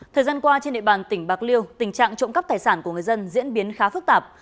thời gian qua trên địa bàn tỉnh bạc liêu tình trạng trộm cắp tài sản của người dân diễn biến khá phức tạp